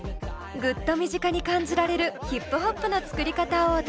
ぐっと身近に感じられるヒップホップの作り方をお届け。